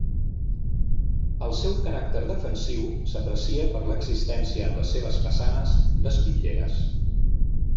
El seu caràcter defensiu s'aprecia per l'existència en les seves façanes d'espitlleres.